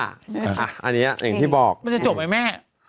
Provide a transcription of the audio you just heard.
อันนี้อย่างที่บอกมันจะจบไหมแม่